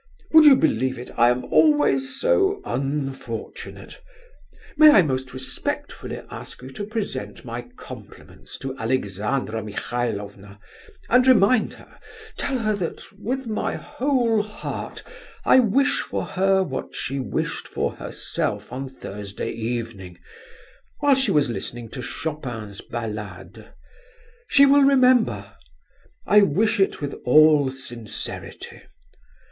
Would you believe it, I am always so unfortunate! May I most respectfully ask you to present my compliments to Alexandra Michailovna, and remind her... tell her, that with my whole heart I wish for her what she wished for herself on Thursday evening, while she was listening to Chopin's Ballade. She will remember. I wish it with all sincerity.